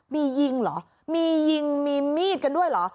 มียิงเหรอมียิงมีมีดกันด้วยเหรอ